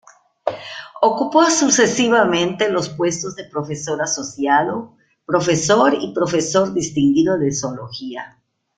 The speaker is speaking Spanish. Ocupó sucesivamente los puestos de profesor asociado, profesor y profesor distinguido de zoología.